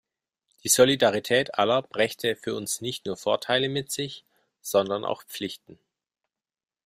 Die Solidarität aller, brächte für uns nicht nur Vorteile mit sich, sondern auch Pflichten.